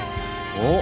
おっ！